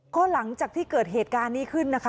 ก็หลังจากที่เกิดเหตุการณ์นี้ขึ้นนะคะ